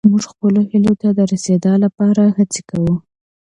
موږ خپلو هيلو ته د رسيدا لپاره هڅې کوو.